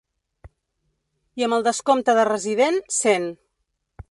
I amb el descompte de resident, cent.